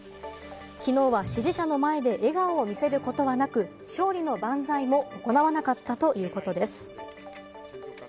昨日は支持者の前で笑顔を見せることはなく、勝利のバンザイも行わなかったということです。